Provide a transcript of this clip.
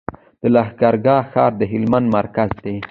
د لښکرګاه ښار د هلمند مرکز دی